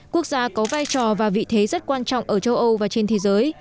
quốc gia có vai trò và vị thế rất quan trọng ở châu âu và trên thế giới